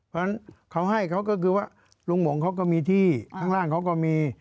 เพราะฉะนั้นเขาให้เขาก็คือว่าลุงหมงเขาก็มีที่ข้างล่างเขาก็มี